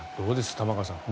玉川さん。